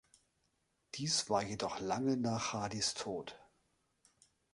Dies war jedoch lange nach Hardys Tod.